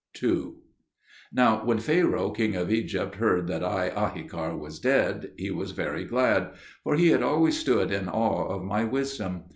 II Now when Pharaoh, king of Egypt, heard that I, Ahikar, was dead, he was very glad; for he had always stood in awe of my wisdom.